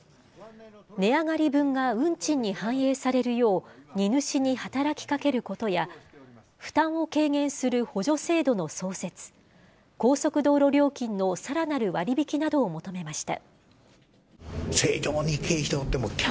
値上がり分が運賃に反映されるよう、荷主に働きかけることや、負担を軽減する補助制度の創設、高速道路料金のさらなる割引などを求めました。